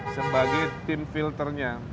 sebagai tim filternya